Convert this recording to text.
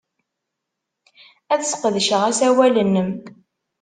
Ad sqedceɣ asawal-nnem.